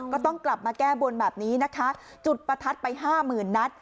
ก็ต้องกลับมาแก้บนแบบนี้นะคะจุดประทัดไปห้าหมื่นนัด